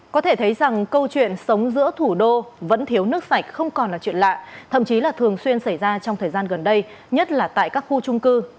có thể thấy rằng câu chuyện sống giữa thủ đô vẫn thiếu nước sạch không còn là chuyện lạ thậm chí là thường xuyên xảy ra trong thời gian gần đây nhất là tại các khu trung cư